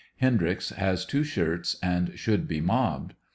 Hendryx has two shirts, and should be mobbed.